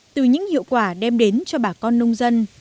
từ những hiệu quả đem đến cho bà con nông dân